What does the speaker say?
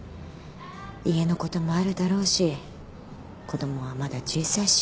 家のこともあるだろうし子供はまだ小さいし。